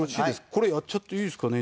これやっちゃっていいですかね？